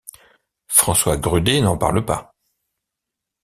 François Grudé n'en parle pas.